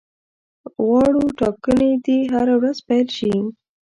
غواړو ټاکنې دي هره ورځ پیل شي.